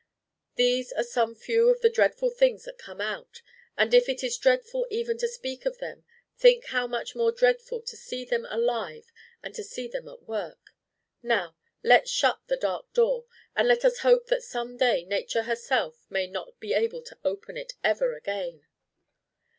These are some few of the dreadful things that come out: and if it is dreadful even to speak of them, think how much more dreadful to see them alive and to set them at work! Now let's shut the dark Door! And let us hope that some day Nature herself may not be able to open it ever again!"